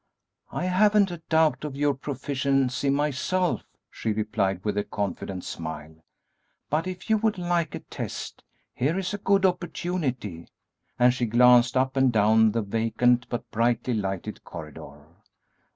"I haven't a doubt of your proficiency myself," she replied, with a confident smile, "but if you would like a test, here is a good opportunity," and she glanced up and down the vacant but brightly lighted corridor.